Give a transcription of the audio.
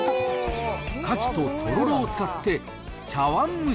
カキととろろを使って茶わん蒸し。